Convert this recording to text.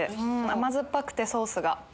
甘酸っぱくてソースが。